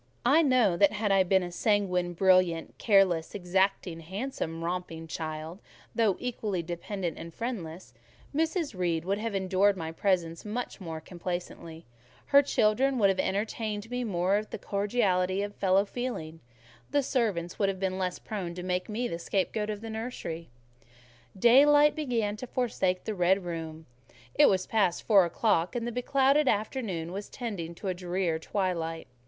I know that had I been a sanguine, brilliant, careless, exacting, handsome, romping child—though equally dependent and friendless—Mrs. Reed would have endured my presence more complacently; her children would have entertained for me more of the cordiality of fellow feeling; the servants would have been less prone to make me the scapegoat of the nursery. Daylight began to forsake the red room; it was past four o'clock, and the beclouded afternoon was tending to drear twilight.